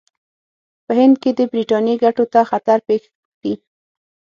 په هند کې د برټانیې ګټو ته خطر پېښ کړي.